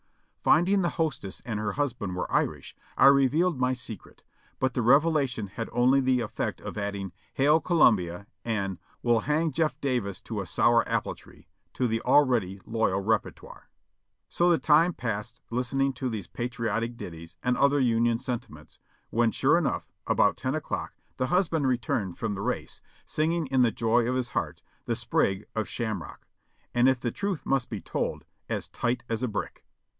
Finding the hostess and her husband were Irish, I revealed my secret, but the revelation had only the effect of adding "Hail Columbia" and "We'll hang Jeff* Davis to a sour apple tree" to the already loyal repertoire. So the time passed listening to these patriotic ditties and other Union sentiments, when sure enough, about ten o'clock, the hus band returned from the race, singing in the joy of his heart "The Sprig of Shamrock :" and if the truth must be told, as tight as a brick.